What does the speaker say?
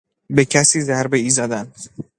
به کسی ضربهای زدن